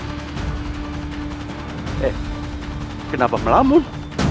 eh kenapa melamun